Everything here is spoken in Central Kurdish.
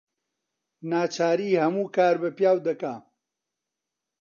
ناچاری هەموو کار بە پیاو دەکا